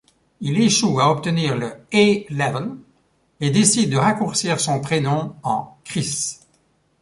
Il échoue à obtenir le A-level et décide de raccourcir son prénom en Kris.